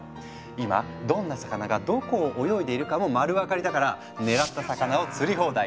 今どんな魚がどこを泳いでいるかも丸分かりだから狙った魚を釣り放題！